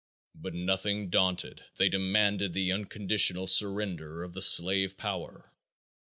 But nothing daunted, they demanded the unconditional surrender of the slave power.